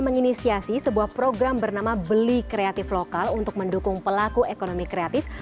menginisiasi sebuah program bernama beli kreatif lokal untuk mendukung pelaku ekonomi kreatif